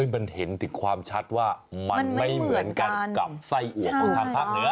มันเห็นถึงความชัดว่ามันไม่เหมือนกันกับไส้อัวของทางภาคเหนือ